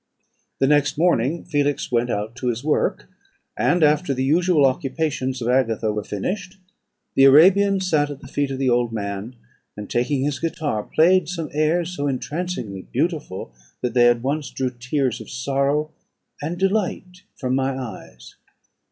"The next morning Felix went out to his work; and, after the usual occupations of Agatha were finished, the Arabian sat at the feet of the old man, and, taking his guitar, played some airs so entrancingly beautiful, that they at once drew tears of sorrow and delight from my eyes.